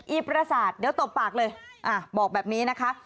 ประสาทเดี๋ยวตบปากเลยบอกแบบนี้นะคะ